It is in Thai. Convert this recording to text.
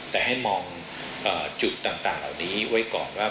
แต่ให้มองจุดต่างเหล่านี้ไว้ก่อนว่า